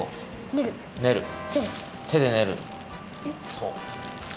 そう。